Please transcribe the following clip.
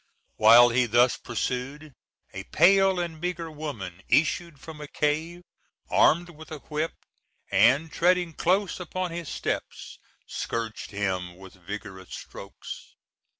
While he thus pursued, a pale and meagre woman issued from a cave, armed with a whip, and, treading close upon his steps, scourged him with vigorous strokes.